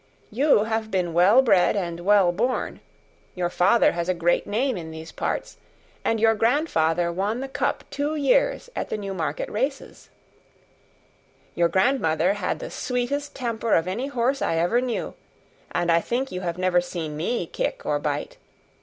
You have been well bred and well born; your father has a great name in these parts, and your grandfather won the cup two years at the Newmarket races; your grandmother had the sweetest temper of any horse I ever knew, and I think you have never seen me kick or bite.